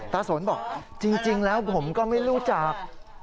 สนบอกจริงแล้วผมก็ไม่รู้จัก